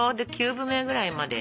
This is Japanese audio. ９分目ぐらいまで。